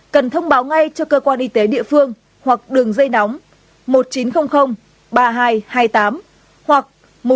cần thông báo ngay cho cơ quan y tế địa phương hoặc đường dây nóng một nghìn chín trăm linh ba nghìn hai trăm hai mươi tám hoặc một nghìn chín trăm linh chín nghìn chín mươi năm